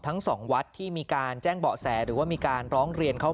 ทั้งสองวัดที่มีการแจ้งเบาะแสหรือว่ามีการร้องเรียนเขา